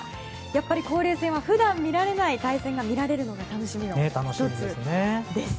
やっぱり交流戦は普段見られない対戦が見られるのが楽しみの１つです。